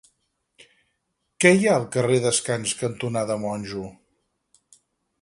Què hi ha al carrer Descans cantonada Monjo?